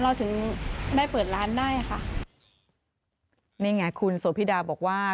เราถึงได้เปิดร้านได้ค่ะนี่ไงคุณโสพิดาบอกว่า